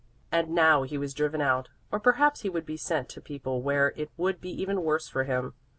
And now he was driven out, or perhaps he would be sent to people where it would be even worse for him.